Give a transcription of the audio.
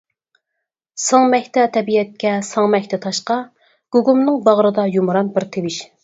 سىڭمەكتە تەبىئەتكە، سىڭمەكتە تاشقا، گۇگۇمنىڭ باغرىدا يۇمران بىر تىۋىش.